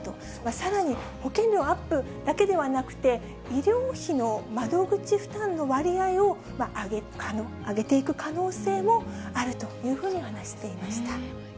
さらに保険料アップだけではなくて、医療費の窓口負担の割合を上げていく可能性もあるというふうに話していました。